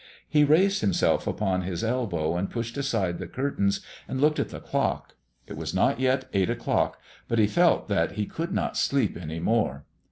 He raised himself upon his elbow and pushed aside the curtains and looked at the clock. It was not yet eight o'clock, but he felt that he could not sleep any more.